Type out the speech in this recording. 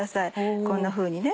こんなふうにね。